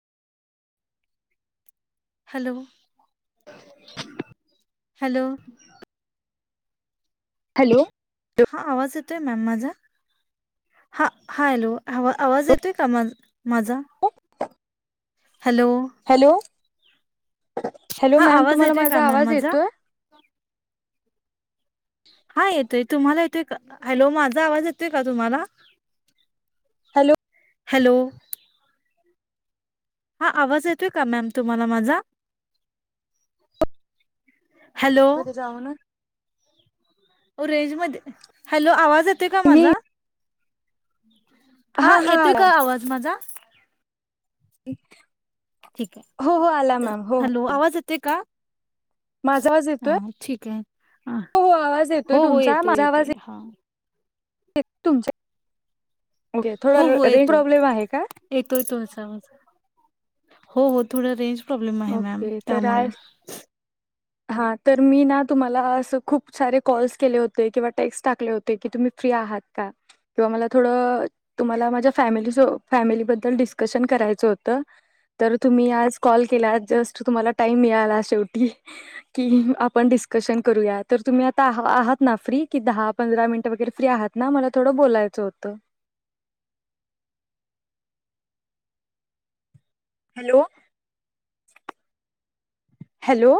Hello. Hello. Hello. हा आवाज येतोय मॅम माझा? हा. हा हॅलो. आवाज येतोय का माझा? हॅलो. हॅलो हॅलो हा मॅम आवाज तुम्हाला येतोय का माझा मॅम आवाज माझा येतोय? हा येतोय तुम्हाला येतोय का हॅलो माझा आवाज येतोय का तुम्हाला? हॅलो. हॅलो. हा आवाज येतोय का मॅम तुम्हाला माझा? हॅलो कधी जाऊ ना. रेंज मध्ये हॅलो आवाज येतोय का मी माझा? हा येतोय का आवाज माझा. [inaudible] ठीक हो हो आला आहे मॅम हो हो हॅलो आवाज येते का? माझा आवाज येतोय हा ठीक आहे. हा हो हो आवाज येतोय हो हो तुमचा, येतोय माझा येतोय आवाज हा येत [unintelligible] तुमचे हो हो येतोय, का येतोय तुमचा आवाज. हो हो थोड रेंज प्रॉब्लेम आहे मॅम ओके तर त्यामुळे आज हा तर मी ना तुम्हाला अस खूप सारे कॉल्स केले होते किंवा टेक्स्ट टाकले होते की तुम्ही फ्री आहात का? किंवा मला थोडं तुम्हाला माझ्या फॅमिली फॅमिलीबद्दल डिस्कशन करायचं होतं. तर तुम्ही आज कॉल केला जस्ट तुम्हाला टाईम मिळाला शेवटी. [inaudible] की आपण डिस्कशन करूया तर तुम्ही आता आ आहात ना फ्री की दहा पंधरा मिनटं वगैरे फ्री आहात. ना मला थोडं बोलायचं होतं. [inaudible] हॅलो. हॅलो.